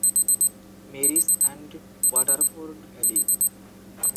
Mary's and Waterford valley.